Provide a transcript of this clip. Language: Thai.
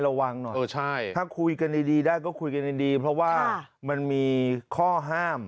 ระวังหน่อยถ้าคุยกันดีได้ก็คุยกันดีเพราะว่ามันมีข้อห้าม